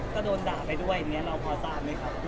ก็โดนด่าไปด้วยเนี้ยเราขอเสอบไหมครับ